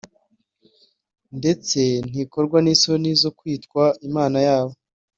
ndetse ntikorwa n’isoni zo kwitwa Imana yabo